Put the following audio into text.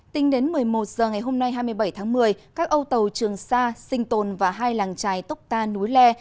tính đến một mươi một h ngày hôm nay hai mươi bảy tháng một mươi các âu tàu trường sa sinh tồn và hai làng trài tốc ta núi le